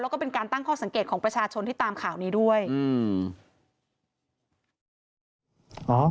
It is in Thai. แล้วก็เป็นการตั้งข้อสังเกตของประชาชนที่ตามข่าวนี้ด้วยอืม